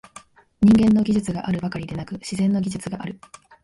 人間の技術があるばかりでなく、「自然の技術」がある。